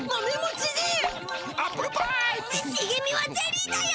しげみはゼリーだよ！